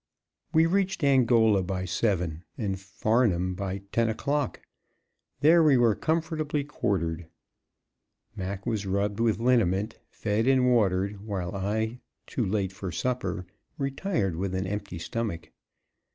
We reached Angola by seven, and Farnham at ten o'clock. There we were comfortably quartered; Mac was rubbed with liniment, fed and watered, while I, too late for supper, retired with an empty stomach.